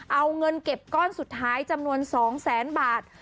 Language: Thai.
เอาเงินเก็บก้อนสุดท้ายจำนวน๒แสนบาท